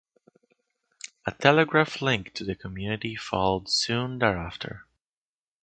A telegraph link to the community followed soon thereafter.